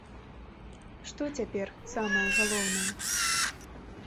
Што цяпер самае галоўнае?